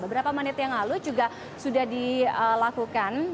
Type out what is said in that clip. beberapa menit yang lalu juga sudah dilakukan